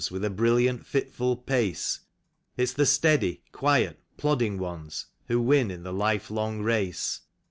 With a brilliant, fitful pace. It's the steady, quiet, plodding ones ^Vho win in the lifelong race.